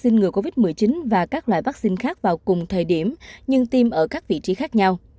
nhưng tiêm ở các vị trí khác nhau